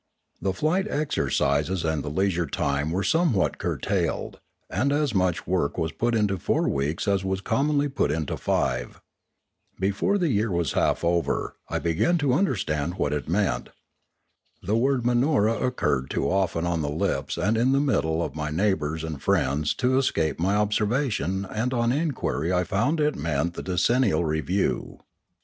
The flight exercises and the leisure time were somewhat curtailed, and as much work was put into four weeks as was commonly put into five. Before the year was half over, I began to understand what it meant. The word Manora occurred too often on the lips and in the minds of my neighbours and friends to escape my observation and on inquiry I found it meant the decennial review.